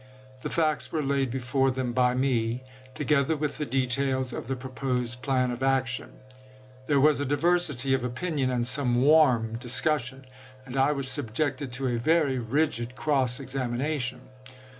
The facts were laid before them by me, together with the details of the pro posed plan of action. There was a diversity of opinion, and some warm discussion, and I was subjected to a very rigid cross examination.